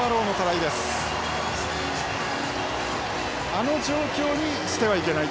あの状況にしてはいけない。